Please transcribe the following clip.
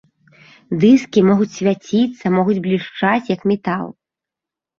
Дыскі могуць свяціцца, могуць блішчаць, як метал.